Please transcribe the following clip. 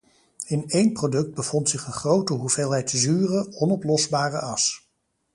In één product bevond zich een grote hoeveelheid zure, onoplosbare as.